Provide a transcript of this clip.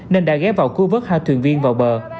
nên đã ghé vào cư vớt hai thuyền viên vào bờ